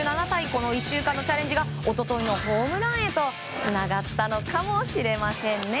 この１週間のチャレンジが一昨日のホームランへとつながったのかもしれませんね